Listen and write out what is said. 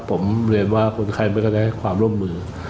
ผมเรียนว่าคนไข้ไม่ค่อยได้ความร่วมมือ